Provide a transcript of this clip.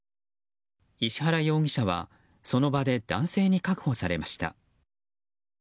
石原容疑者はその場で男性に確保されました。